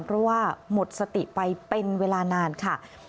เพราะว่าหมดสติไปเป็นเวลานานค่ะ